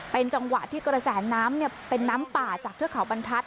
เป็นจังหวะที่กระแสน้ำเป็นน้ำป่าจากเทือกเขาบรรทัศน